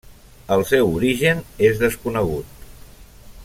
El seu origen és desconegut.